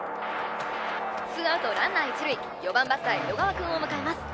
ツーアウトランナー一塁４番バッター江戸川くんを迎えます